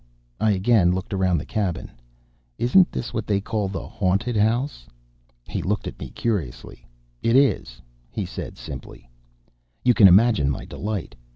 I again looked around the cabin. 'Isn't this what they call the haunted house?' "He looked at me curiously. 'It is,' he said, simply. "You can imagine my delight!